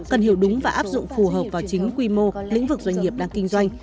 cần hiểu đúng và áp dụng phù hợp vào chính quy mô lĩnh vực doanh nghiệp đang kinh doanh